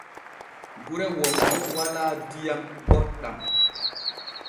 Gure wonko walaa diyam boɗɗam.